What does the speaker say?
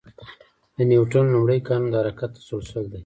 د نیوتن لومړی قانون د حرکت تسلسل دی.